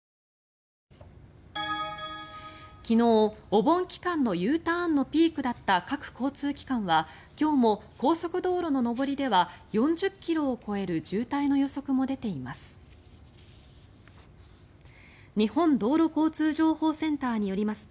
昨日、お盆期間のＵターンのピークだった各交通機関は今日も高速道路の上りでは４０ｋｍを超える渋滞の予測も出ています。